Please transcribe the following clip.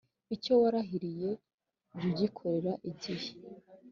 Icyo warahiriye jya ugikorera igihe,